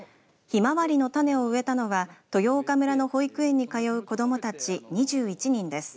ひまわりの種を植えたのは豊丘村の保育園に通う子どもたち２１人です。